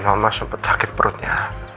mama sempet sakit perutnya